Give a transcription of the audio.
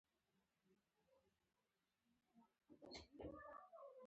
نغمې هم د ببۍ د زړه تارونه ترنګول.